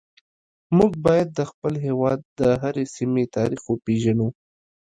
موږ باید د خپل هیواد د هرې سیمې تاریخ وپیژنو